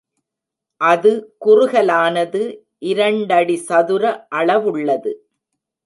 அது குறுகலானது இரண்டடி சதுர அளவுள்ளது.